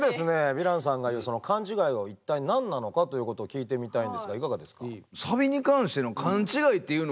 ヴィランさんが言うその勘違いは一体何なのかということを聞いてみたいんですがいかがですか？